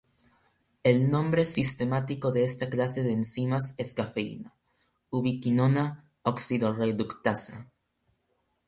El nombre sistemático de esta clase de enzimas es cafeína:ubiquinona oxidorreductasa.